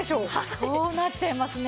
そうなっちゃいますね。